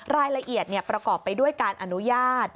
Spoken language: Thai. รายละเอียดประกอบไปด้วยการอนุญาต